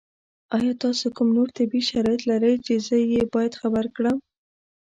ایا تاسو کوم نور طبي شرایط لرئ چې زه یې باید خبر کړم؟